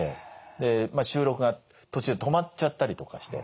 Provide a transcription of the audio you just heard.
でまあ収録が途中止まっちゃったりとかして。